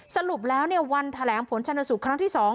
สรุปแล้ววันแถลงผลชนสูตรครั้งที่๒